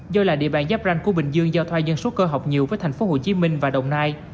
do là địa bàn giáp ranh của bình dương do thoa dân số cơ học nhiều với thành phố hồ chí minh và đồng nai